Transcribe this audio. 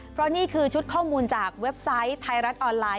เพราะนี่คือชุดข้อมูลจากเว็บไซต์ไทยรัฐออนไลน